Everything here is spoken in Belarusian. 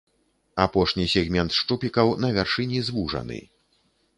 Апошні сегмент шчупікаў на вяршыні звужаны.